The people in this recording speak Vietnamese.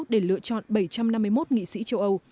để lựa chọn bảy trăm năm mươi một nghị sĩ châu âu